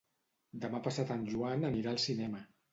Demà passat en Joan anirà al cinema.